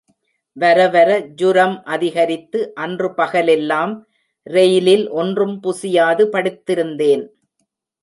வரவர ஜுரம் அதிகரித்து, அன்று பகலெல்லாம் ரெயிலில் ஒன்றும் புசியாது படுத்திருந்தேன்.